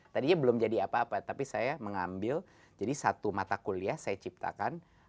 tadinya belum jadi apa apa tapi saya mengambil jadi satu mata kuliah saya ciptakan